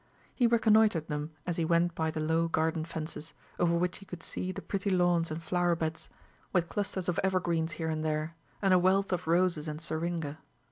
He reconnoitred them as he went by the low garden fences, over which he could see the pretty lawns and flower beds, with clusters of evergreens here and there, and a wealth of roses and seringa.